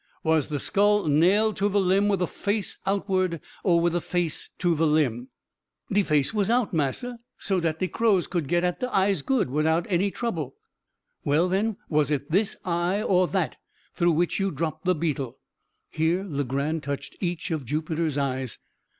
was the skull nailed to the limb with the face outward, or with the face to the limb?" "De face was out, massa, so dat de crows could get at de eyes good, widout any trouble." "Well, then, was it this eye or that through which you dropped the beetle?" here Legrand touched each of Jupiter's eyes.